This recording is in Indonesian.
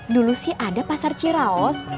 dulu sih ada pasar ciraos